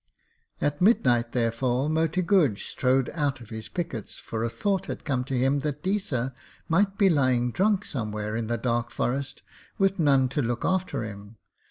At midnight, therefore, Moti Guj strode out of his pickets, for a thought had come to him that Deesa might be lying drunk somewhere in the dark forest with none to look after him.